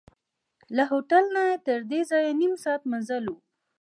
له هوټل نه تردې ځایه نیم ساعت مزل و.